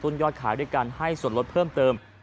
จำนวนนักท่องเที่ยวที่เดินทางมาพักผ่อนเพิ่มขึ้นในปีนี้